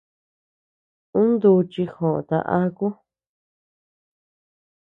Un duchi joota aku.